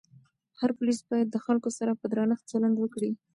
هر پولیس باید د خلکو سره په درنښت چلند وکړي.